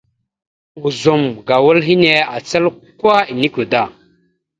Ozum ga wal henne acal kwa enekweŋ da.